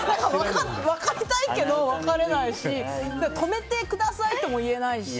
分かりたいけど分からないし止めてくださいとも言えないし。